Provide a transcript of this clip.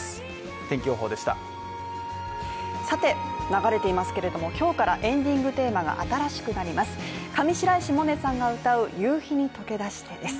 流れていますけれども今日からエンディングテーマが新しくなります。